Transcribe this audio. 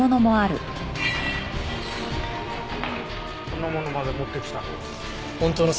こんなものまで持ってきたの？